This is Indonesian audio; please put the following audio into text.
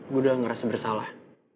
gue udah ngerasa bersalah